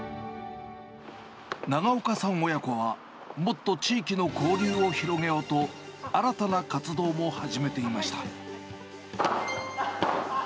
長岡さん親子は、もっと地域の交流を広げようと、新たな活動も始めていました。